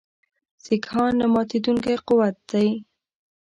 سیکهان نه ماتېدونکی قوت دی.